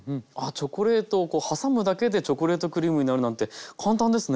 チョコレートを挟むだけでチョコレートクリームになるなんて簡単ですね。